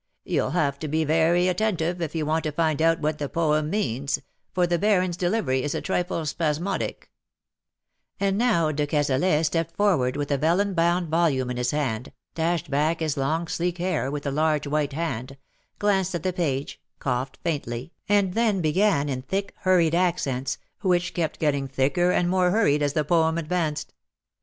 " You^ll have to be very atten tive if you want to find out what the poem means ; for the Baron's delivery is a trifle spasmodic/^ And now de Cazalet stepped forward with a vellum bound volume in his hand^ dashed back his long sleek hair with a large white hand, glanced at the page, coughed faintly, and then began in thick, hurried accents, which kept getting thicker and more hurried as the poem advanced.